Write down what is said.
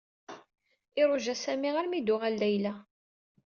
Iṛuja Sami armi d-tuɣal Layla.